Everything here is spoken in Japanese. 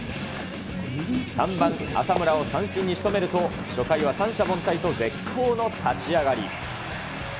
３番浅村を三振にしとめると、初回は三者凡退と絶好の立ち上がり。